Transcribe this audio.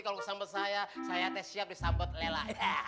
kalau sambal saya saya teh siap disambut lela